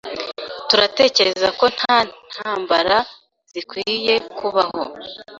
Turatekereza ko nta ntambara zikwiye kubaho